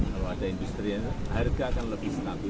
kalau ada industri harga akan lebih stabil